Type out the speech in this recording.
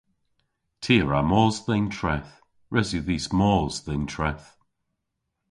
Ty a wra mos dhe'n treth. Res yw dhis mos dhe'n treth.